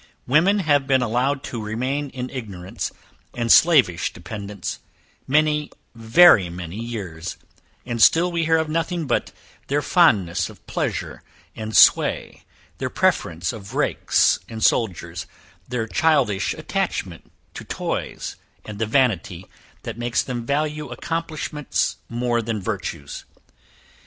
Women have been allowed to remain in ignorance, and slavish dependence, many, very many years, and still we hear of nothing but their fondness of pleasure and sway, their preference of rakes and soldiers, their childish attachment to toys, and the vanity that makes them value accomplishments more than virtues.